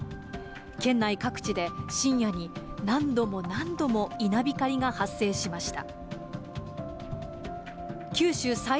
県内各地で、深夜に何度も何度も稲光が発生しました。